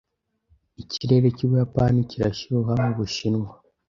Ikirere cy’Ubuyapani kirashyuha nk’Ubushinwa.